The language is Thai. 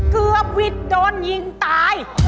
เกือบวิทย์โดนยิงตาย